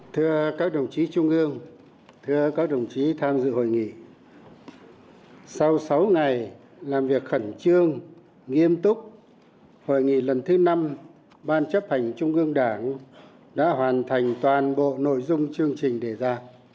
thưa các đồng chí trung ương thưa các đồng chí tham dự hội nghị sau sáu ngày làm việc khẩn trương nghiêm túc hội nghị lần thứ năm ban chấp hành trung ương đảng đã hoàn thành toàn bộ nội dung chương trình đề ra